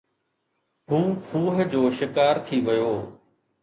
هو کوهه جو شڪار ٿي ويو